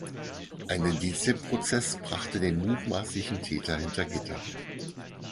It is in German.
Ein Indizienprozess brachte den mutmaßlichen Täter hinter Gitter.